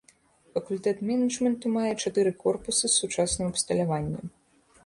Факультэт менеджменту мае чатыры корпусы з сучасным абсталяваннем.